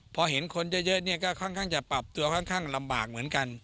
พอเห็นคนเยอะเนี่ยก็ค่อนข้างจะปรับตัวค่อนข้างลำบากเหมือนกัน